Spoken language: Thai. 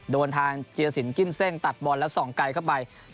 โดนทางเจียสินกิ้นเซ่งตัดบอลแล้วส่องไกลเข้าไป